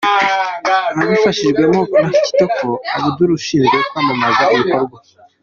Abifashijwemo na Kitoko Abdou ushinzwe kwamamaza ibikorwa.